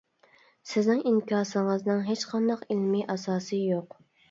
سىزنىڭ ئىنكاسىڭىزنىڭ ھېچقانداق ئىلمىي ئاساسى يوق.